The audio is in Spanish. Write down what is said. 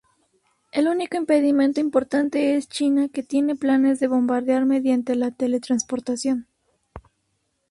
El único impedimento importante es China que tiene planes de bombardear mediante la teletransportación.